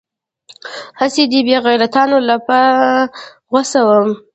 هسې دې بې غيرتانو له په غوسه وم.